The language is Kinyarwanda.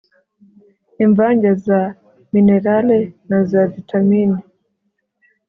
imvange ya minerale na za vitamini